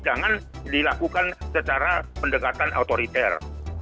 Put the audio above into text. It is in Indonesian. jangan dilakukan secara pendekatan otoriter